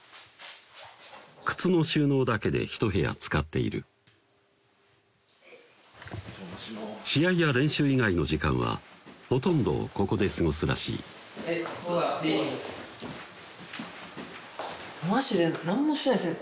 靴の収納だけで一部屋使っているおじゃまします試合や練習以外の時間はほとんどここで過ごすらしいでここがリビングですマジで何もしてないですね